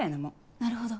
なるほど。